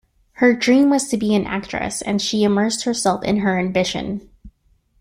Her dream was to be an actress and she immersed herself in her ambition.